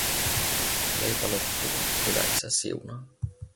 Leipä loppuu, hyvä isä siunaa.